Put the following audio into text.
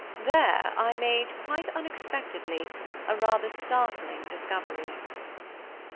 There I made, quite unexpectedly, a rather startling discovery.